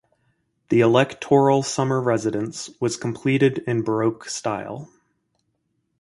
The electoral summer residence was completed in baroque style.